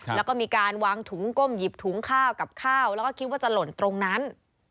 แล้วก็มีการวางถุงก้มหยิบถุงข้าวกับข้าวแล้วก็คิดว่าจะหล่นตรงนั้น